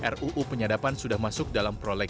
ruu penyadapan sudah masuk dalam proleg